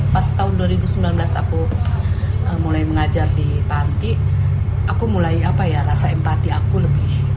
pas tahun dua ribu sembilan belas aku mulai mengajar di panti aku mulai apa ya rasa empati aku lebih